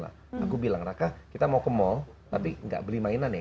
aku bilang raka kita mau ke mall tapi nggak beli mainan ya